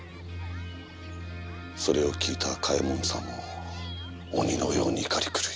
それを聞いた嘉右衛門さんも鬼のように怒り狂い。